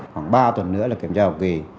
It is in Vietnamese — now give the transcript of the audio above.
khoảng ba tuần nữa là kiểm tra học kỳ